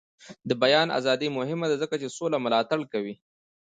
د بیان ازادي مهمه ده ځکه چې سوله ملاتړ کوي.